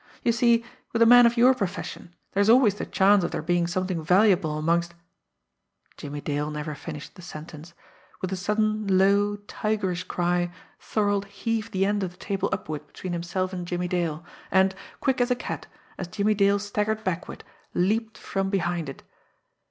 "You see, with a man of your profession, there is always the chance of there being something valuable amongst " Jimmie Dale never finished the sentence. With a sudden, low, tigerish cry, Thorold heaved the end of the table upward between himself and Jimmie Dale and, quick as a cat, as Jimmie Dale staggered backward, leaped from behind it.